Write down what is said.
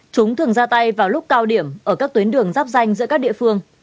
chúng thường ra tay vào lúc cao điểm ở các tuyến đường giáp danh giữa các địa phương